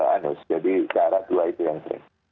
anus jadi ke arah tua itu yang terakhir